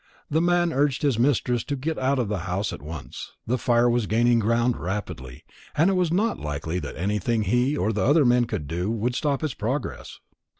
The man urged his mistress to get out of the house at once; the fire was gaining ground rapidly, and it was not likely that anything he or the other men could do would stop its progress.